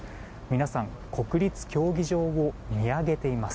皆さん、国立競技場を見上げています。